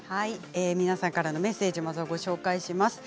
皆さんからのメッセージご紹介します。